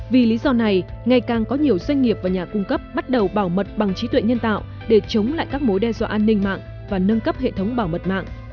vì lý do này ngày càng có nhiều doanh nghiệp và nhà cung cấp bắt đầu bảo mật bằng chí tuệ nhân tạo để chống lại các mối đe dọa an ninh mạng và nâng cấp hệ thống bảo mật mạng